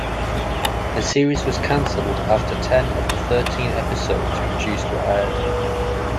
The series was canceled after ten of the thirteen episodes produced were aired.